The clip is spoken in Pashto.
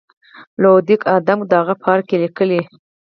لودویک آدمک د هغه پاره کې لیکي.